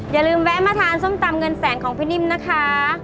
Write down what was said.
อย่าลืมแวะมาทานส้มตำเงินแสนของพี่นิ่มนะคะ